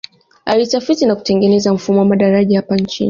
Alitafiti na kutengeneza mfumo wa madaraja hapa nchini